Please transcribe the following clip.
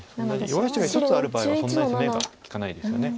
弱い石が１つある場合はそんなに攻めが利かないですよね。